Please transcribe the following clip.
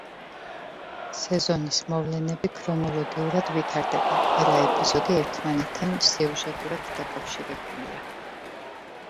სეზონის მოვლენები ქრონოლოგიურად ვითარდება, ყველა ეპიზოდი ერთმანეთთან სიუჟეტურად დაკავშირებულია.